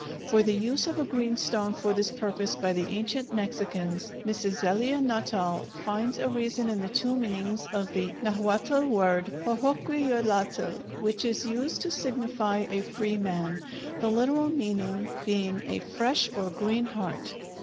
For the use of a green stone for this purpose by the ancient Mexicans, Mrs. Zelia Nuttall finds a reason in the two meanings of the Nahuatl word xoxouhqui yollotl, which is used to signify a "free man," the literal meaning being a "fresh or green heart."